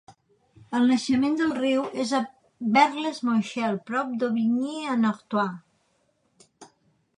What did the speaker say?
El naixement del riu és a Berles-Monchel, prop d'Aubigny-en-Artois.